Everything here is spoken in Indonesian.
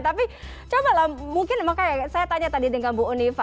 tapi cobalah mungkin makanya saya tanya tadi dengan bu unifa